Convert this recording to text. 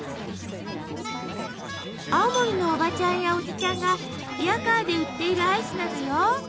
青森のおばちゃんやおじちゃんがリヤカーで売っているアイスなのよ。